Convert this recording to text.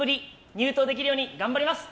入党できるように頑張ります！